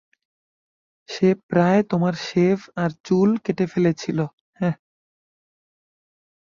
সে প্রায় তোমার শেভ আর চুল কেটে ফেলেছিল, হ্যাহ?